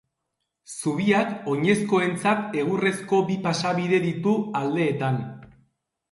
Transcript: Zubiak oinezkoentzat egurrezko bi pasabide ditu aldeetan.